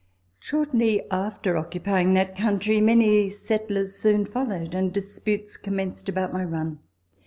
Shortly after occupying that country, many settlers soon followed, and disputes commenced about my run.